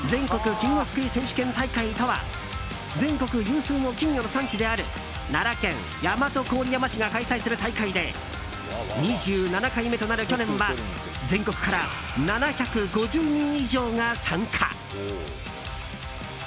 金魚すくい選手権大会とは全国有数の金魚の産地である奈良県大和郡山市が開催する大会で２７回目となる去年は全国から７５０人以上が参加。